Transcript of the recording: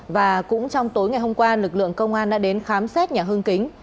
và cũng trong tối ngày hôm qua lực lượng công an đã đến khám xét nhà hưng kính